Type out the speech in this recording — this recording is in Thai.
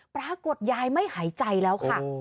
ปรากฏยายไม่หายใจแล้วค่ะ